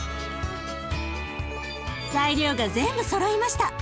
材料が全部そろいました。